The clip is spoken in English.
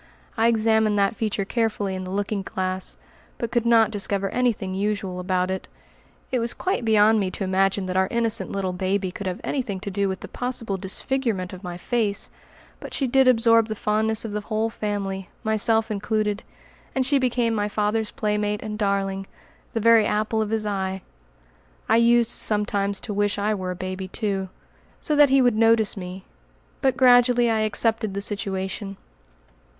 I examined that feature carefully in the looking glass, but could not discover anything usual about it. It was quite beyond me to imagine that our innocent little baby could have anything to do with the possible disfigurement of my face, but she did absorb the fondness of the whole family, myself included, and she became my father's playmate and darling, the very apple of his eye. I used sometimes to wish I were a baby too, so that he would notice me, but gradually I accepted the situation.